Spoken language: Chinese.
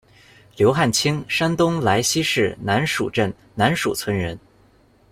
刘汉清，山东莱西市南墅镇南墅村人。